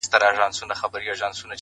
د ژوندون نور وړی دی اوس په مدعا يمه زه _